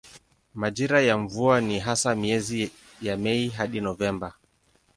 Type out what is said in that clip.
Majira ya mvua ni hasa miezi ya Mei hadi Novemba.